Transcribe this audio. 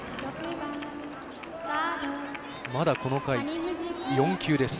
まだ、この回４球。